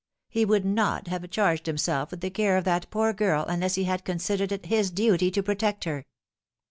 He would not have charged himself with the care of that poor girl unless he had considered it his duty to protect her."